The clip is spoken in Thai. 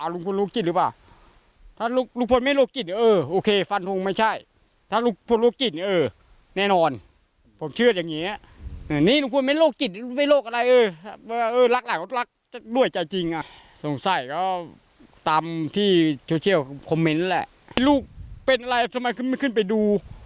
ลูกเป็นอะไรทำไมไม่ขึ้นไปดู